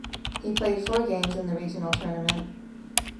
He played four games in the regional tournament.